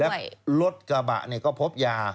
แล้วรถกระเป๋าก็พบยา